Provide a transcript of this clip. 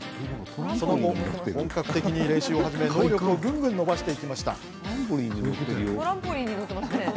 その後、本格的に練習を始め能力をぐんぐん伸ばしていきました。